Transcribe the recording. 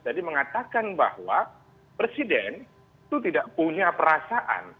tadi mengatakan bahwa presiden itu tidak punya perasaan